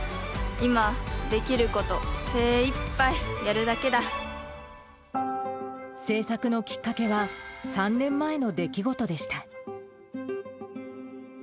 今できること、精いっぱい、製作のきっかけは、３年前の出来事でした。